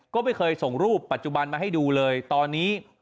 ก็ไม่เคยส่งรูปปัจจุบันมาให้ดูเลยตอนนี้